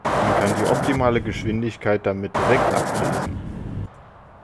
Man kann die optimale Geschwindigkeit damit direkt ablesen.